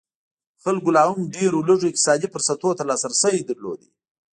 خلکو لا هم ډېرو لږو اقتصادي فرصتونو ته لاسرسی درلود.